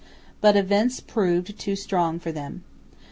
But events proved too strong for them.